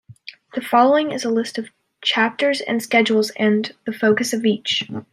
The following is a list of chapters and schedules and the focus of each.